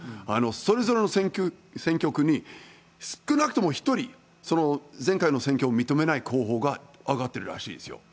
それぞれの選挙区に、少なくとも１人、前回の選挙を認めない候補が上がってるらしいんですよ。